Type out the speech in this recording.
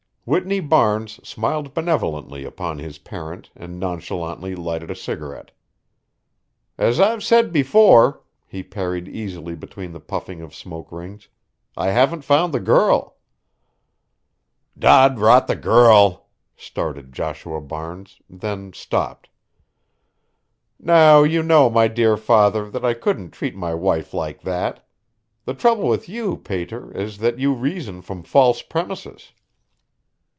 Whitney Barnes smiled benevolently upon his parent and nonchalantly lighted a cigarette. "As I've said before," he parried easily between the puffing of smoke rings, "I haven't found the girl." "Dod rot the girl," started Joshua Barnes, then stopped. "Now, you know, my dear father, that I couldn't treat my wife like that. The trouble with you, pater, is that you reason from false premises."